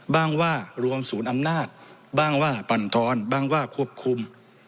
ว่ารวมศูนย์อำนาจบ้างว่าปั่นทอนบ้างว่าควบคุม